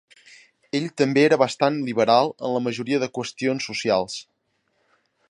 Ell també era bastant liberal en la majoria de qüestions socials.